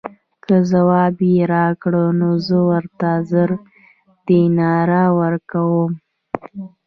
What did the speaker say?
که ځواب یې راکړ نو زه ورته زر دیناره ورکووم.